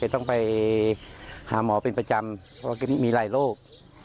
ต้องไปหาหมอเป็นประจำเพราะมีหลายโรค